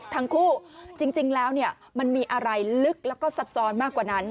จริงแล้วมันมีอะไรลึกแล้วก็ซับซ้อนมากกว่านั้น